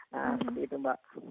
nah seperti itu mbak